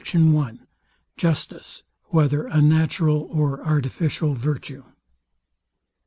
I JUSTICE, WHETHER A NATURAL OR ARTIFICIAL VIRTUE?